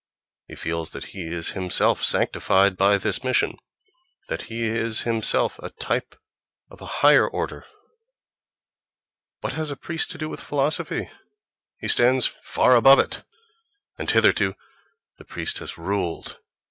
He feels that he is himself sanctified by this mission, that he is himself a type of a higher order!... What has a priest to do with philosophy! He stands far above it!—And hitherto the priest has ruled!